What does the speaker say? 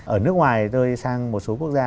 ở nước ngoài tôi sang một số quốc gia